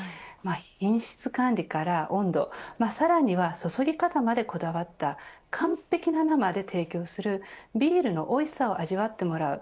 品質管理から温度さらには注ぎ方までこだわった完璧な生で提供するビールのおいしさを味わってもらう。